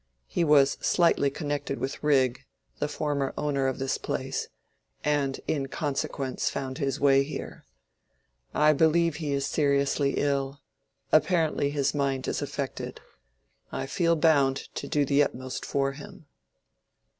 He was slightly connected with Rigg, the former owner of this place, and in consequence found his way here. I believe he is seriously ill: apparently his mind is affected. I feel bound to do the utmost for him."